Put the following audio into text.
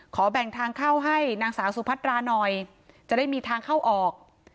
ขอแบ่งทางเข้าให้นางสาวสุพัตราหน่อยจะได้มีทางเข้าออก